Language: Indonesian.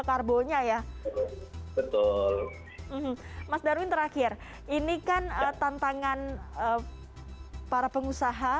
karbonya ya betul mas darwin terakhir ini kan tantangan para pengusaha